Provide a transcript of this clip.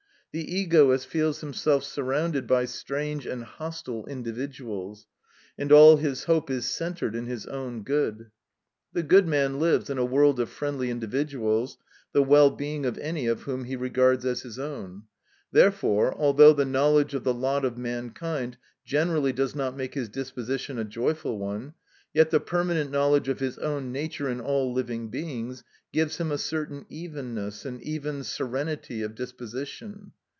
The egoist feels himself surrounded by strange and hostile individuals, and all his hope is centred in his own good. The good man lives in a world of friendly individuals, the well being of any of whom he regards as his own. Therefore, although the knowledge of the lot of mankind generally does not make his disposition a joyful one, yet the permanent knowledge of his own nature in all living beings, gives him a certain evenness, and even serenity of disposition.